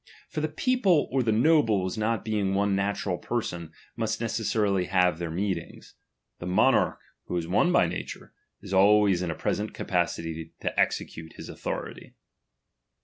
For the people or the nobles not being one natural person, must necessarily have their meetings. The monarch, who is one by nature, is always in a pre sent capacity to execute his authority.